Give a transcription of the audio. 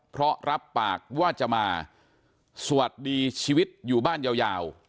เพราะรับปากว่าจะมาสวัสดีชีวิตอยู่บ้านยาว